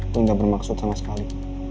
gue gak bermaksud sama sekali